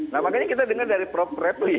nah makanya kita dengar dari prof refli